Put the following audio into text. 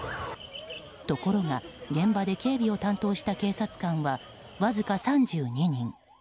ところが、現場で警備を担当した警察官は、わずか３２人。